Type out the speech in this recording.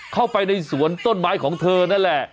เข้าไปในสวนต้นไม้ของเธอนั่นแหละ